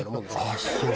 ああそう？